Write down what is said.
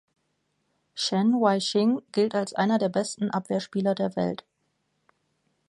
Chen Weixing gilt als einer der besten Abwehrspieler der Welt.